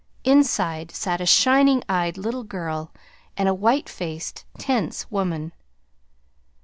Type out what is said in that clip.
Inside sat a shining eyed little girl and a white faced, tense woman.